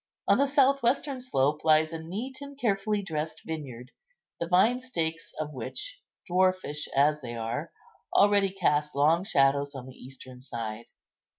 On the south western slope lies a neat and carefully dressed vineyard, the vine stakes of which, dwarfish as they are, already cast long shadows on the eastern side.